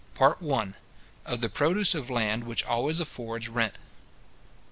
PART I.—Of the Produce of Land which always affords Rent.